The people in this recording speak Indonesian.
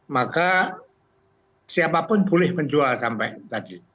maka siapapun boleh menjual sampai tadi